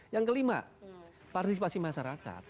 yang kelima partisipasi masyarakat